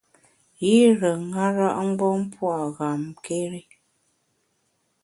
Yire ṅara-mgbom pua’ ghamkéri.